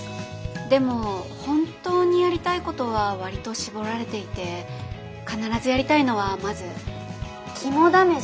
でも本当にやりたいことは割と絞られていて必ずやりたいのはまず肝試しと。